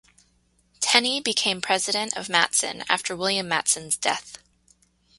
Tenney became president of Matson after William Matson's death.